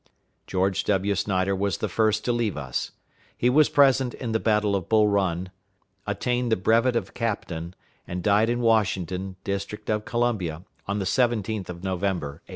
George W. Snyder was the first to leave us. He was present in the battle of Bull Run, attained the brevet of captain, and died in Washington, District of Columbia, on the 17th of November, 1861.